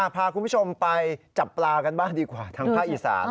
พาคุณผู้ชมไปจับปลากันบ้างดีกว่าทางภาคอีสาน